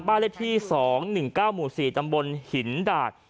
บ้านเลขที่สองหนึ่งเก้าหมู่สี่จำบนหินดาด